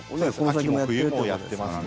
秋も冬もやってますね。